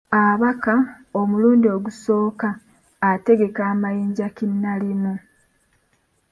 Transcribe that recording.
Abaka, omulundi ogusooka ategeka amayinja kinnalimu.